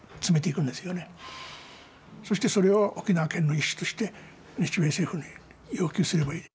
そしてそれを沖縄県の意思として日米政府に要求すればいい。